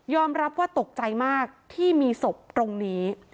รับว่าตกใจมากที่มีศพตรงนี้